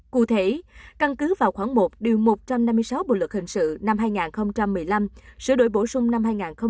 cụ thể căn cứ vào khoảng một một trăm năm mươi sáu bộ luật hình sự năm hai nghìn một mươi năm sửa đổi bổ sung năm hai nghìn một mươi bảy